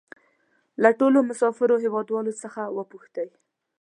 له ټولو مسافرو هېوادوالو څخه وپوښتئ.